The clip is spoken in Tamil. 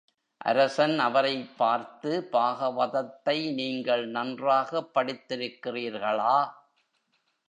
அரசன் அவரைப் பார்த்து, பாகவதத்தை நீங்கள் நன்றாகப் படித்திருக்கிறீர்களா?